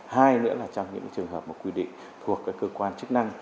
hai nữa là trong những trường hợp quy định thuộc cơ quan chức năng